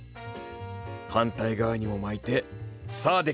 反対側にも巻いてさあ出来た！